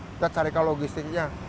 kita carikan logistiknya